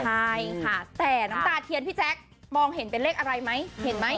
ใช่ค่ะแต่น้ำตาเทียนพี่แจ๊คมองเห็นเป็นเลขอะไรไหมเห็นไหม